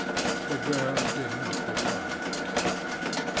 The girl did not reply.